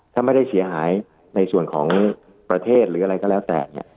ถ้าไม่ได้เสียหายในส่วนของประเทศหรืออะไรก็แล้วแต่เนี่ย